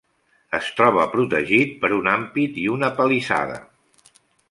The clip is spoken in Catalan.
Es troba protegit per un ampit i una palissada.